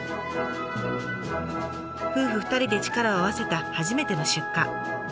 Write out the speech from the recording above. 夫婦２人で力を合わせた初めての出荷。